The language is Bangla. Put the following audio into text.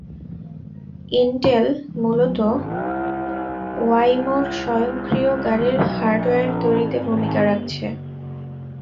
ইন্টেল মূলত ওয়াইমোর স্বয়ংক্রিয় গাড়ির হার্ডওয়্যার তৈরিতে ভূমিকা রাখছে।